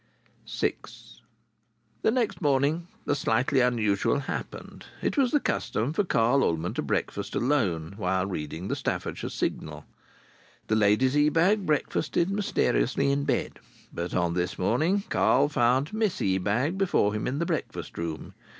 VI The next morning the slightly unusual happened. It was the custom for Carl Ullman to breakfast alone, while reading The Staffordshire Signal. The ladies Ebag breakfasted mysteriously in bed. But on this morning Carl found Miss Ebag before him in the breakfast room.